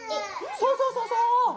そうそうそうそう！